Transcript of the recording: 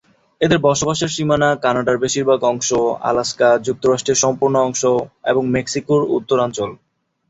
এদের বসবাসের সীমানা কানাডার বেশিরভাগ অংশ, আলাস্কা, যুক্তরাষ্ট্রের সম্পূর্ণ অংশ এবং মেক্সিকোর উত্তরাঞ্চল।